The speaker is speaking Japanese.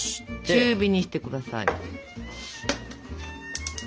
中火にして下さい。